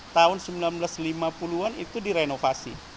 tahun seribu sembilan ratus lima puluh an itu direnovasi